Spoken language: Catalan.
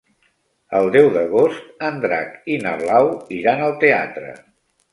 El deu d'agost en Drac i na Blau iran al teatre.